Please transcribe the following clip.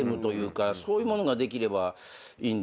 そういうものができればいいんでしょうね。